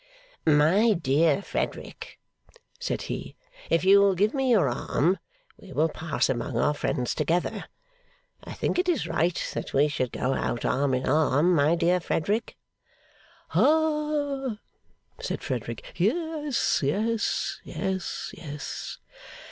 'My dear Frederick,' said he, 'if you will give me your arm we will pass among our friends together. I think it is right that we should go out arm in arm, my dear Frederick.' 'Hah!' said Frederick. 'Yes, yes, yes, yes.